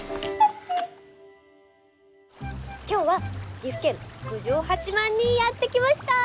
今日は岐阜県郡上八幡にやって来ました！